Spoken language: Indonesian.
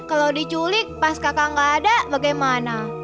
kalau diculik pas kakak gak ada bagaimana